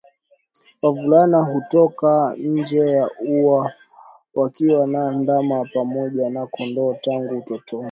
wavulana hutoka nje ya uwa wakiwa na ndama pamoja na kondoo tangu utotoni